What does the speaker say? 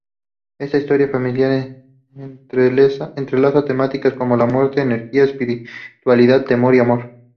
Esta historia familiar entrelaza temáticas como: la muerte, energía, espiritualidad, temor y amor.